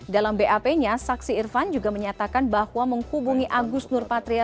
dalam bap nya saksi irfan juga menyatakan bahwa menghubungi agus nurpatria